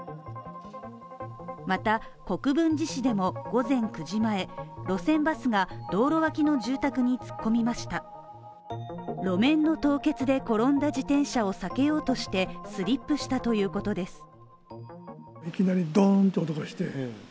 また、国分寺市でも午前９時前、路線バスが道路脇の住宅に突っ込みました路面の凍結で転んだ自転車を避けようとしてスリップしたということです。